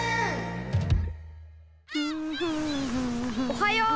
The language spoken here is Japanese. おはよう！